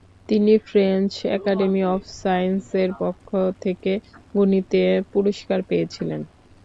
তিনি French academy of সায়েন্সের পক্ষ থেকে গণিতে পুরস্কার পেয়েছিলেন।